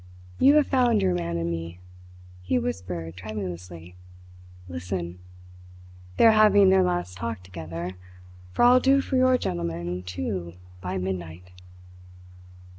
You have found your man in me," he whispered tremulously. "Listen! They are having their last talk together; for I'll do for your gentleman, too, by midnight."